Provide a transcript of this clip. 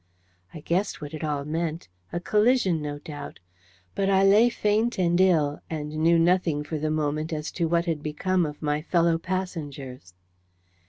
I guessed what it all meant. A collision, no doubt. But I lay faint and ill, and knew nothing for the moment as to what had become of my fellow passengers.